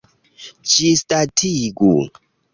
Ĝisdatigu!